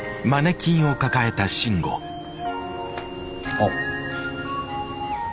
あっ。